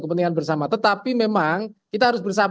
kepentingan bersama tetapi memang kita